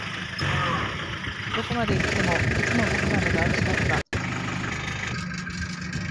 どこまで行っても、いつもの僕らの団地だった